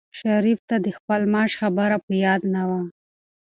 شریف ته د خپل معاش خبره په یاد نه وه.